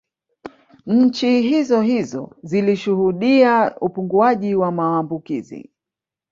Nchi hizohizo zilishuhudia upunguaji wa maambukizi